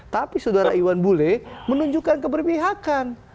tapi saudara iwan bule menunjukkan keberpihakan